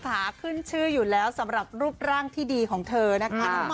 ขาขึ้นชื่ออยู่แล้วสำหรับรูปร่างที่ดีของเธอนะคะ